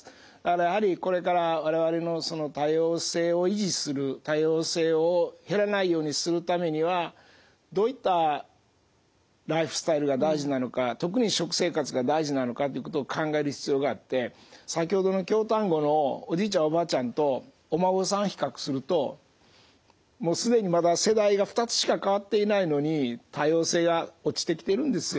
やはりこれから我々の多様性を維持する多様性を減らないようにするためにはどういったライフスタイルが大事なのか特に食生活が大事なのかということを考える必要があって先ほどの京丹後のおじいちゃんおばあちゃんとお孫さん比較するともう既にまだ世代が２つしか代わっていないのに多様性が落ちてきているんですよ。